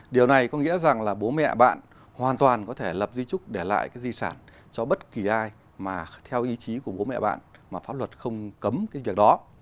điều này có nghĩa rằng là bố mẹ bạn hoàn toàn có thể lập di trúc để lại cái di sản cho bất kỳ ai mà theo ý chí của bố mẹ bạn mà pháp luật không cấm cái việc đó